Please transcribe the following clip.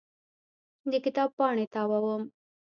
د کتاب پاڼې تاووم.